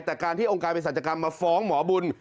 แต่การที่องค์การพยาศาสตร์จัดการมาฟ้องหมอบุญ